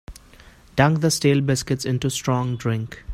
Dunk the stale biscuits into strong drink.